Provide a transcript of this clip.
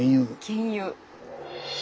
原油。